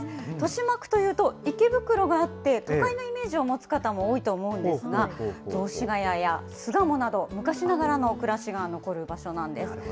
豊島区というと、池袋があって、都会のイメージを持つ方も多いと思うんですが、雑司が谷や巣鴨など、昔ながらのくらしがのこるばしょなんですわたし